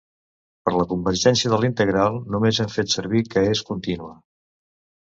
Per la convergència de la integral, només hem fet servir que és contínua.